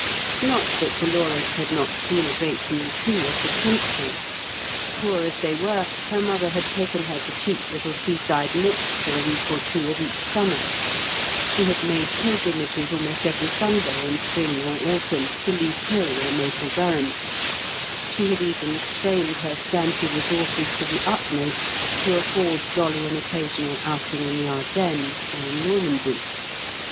Not that Dolores had not seen a great deal, too, of the country. Poor as they were, her mother had taken her to cheap little seaside nooks for a week or two of each summer; she had made pilgrimages almost every Sunday in spring or autumn to Leith Hill or Mapledurham; she had even strained her scanty resources to the utmost to afford Dolly an occasional outing in the Ardennes or in Normandy.